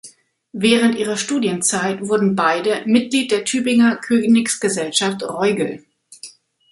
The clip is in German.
Während ihrer Studienzeit wurden beide Mitglied der Tübinger Königsgesellschaft Roigel.